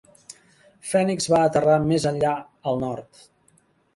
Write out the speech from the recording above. Phoenix va aterrar més enllà al nord.